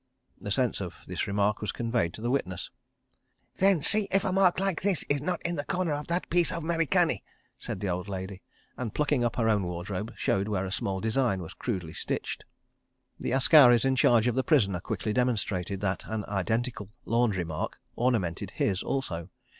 The sense of this remark was conveyed to the witness. "Then see if a mark like this is not in the corner of that piece of 'Mericani," said the old lady, and plucking up her own wardrobe, showed where a small design was crudely stitched. The askaris in charge of the prisoner quickly demonstrated that an identical "laundry mark" ornamented his also.